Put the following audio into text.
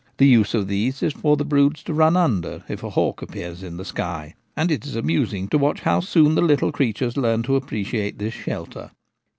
The use of these is for the broods to run under if a hawk appears in the sky ; and it is amusing to watch how soon the little creatures learn to appreciate this shelter.